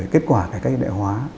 kết quả cách đại hóa